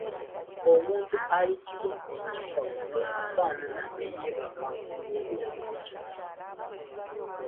Omuntu ayitibwa ekifaggulo afaanana eyeebaka ng’obudde bukyali.